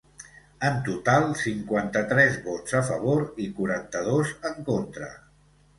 En total, cinquanta-tres vots a favor i quaranta-dos en contra.